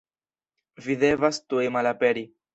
Vi devas tuj malaperi.